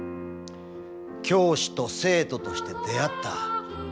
教師と生徒として出会った。